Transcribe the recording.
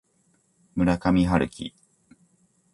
村上春樹